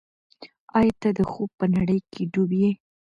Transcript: آیا ته د خوب په نړۍ کې ډوب یې؟